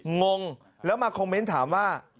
งงแล้วมาคอมเมนต์ถามว่า